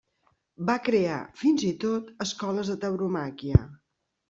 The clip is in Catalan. Va crear, fins i tot, escoles de tauromàquia.